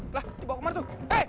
di bawah kamar tuh